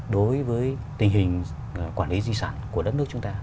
đối với tình hình quản lý di sản của đất nước chúng ta